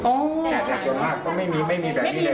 แต่ส่วนมากก็ไม่มีไม่มีแบบนี้เลย